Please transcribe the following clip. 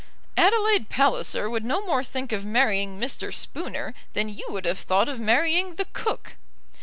"Adelaide Palliser would no more think of marrying Mr. Spooner than you would have thought of marrying the cook."